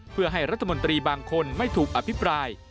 เพื่อให้รัฐมนตรีบางคนไม่ถูกอภิปราย